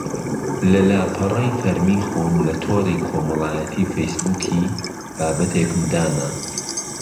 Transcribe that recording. لە لاپەڕەی فەرمی خۆم لە تۆڕی کۆمەڵایەتی فەیسبووکی بابەتێکم دانا